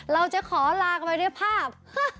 เราจะขอลากันไปด้วยภาพ